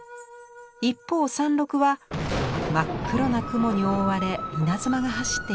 一方山麓は真っ黒な雲に覆われ稲妻が走っています。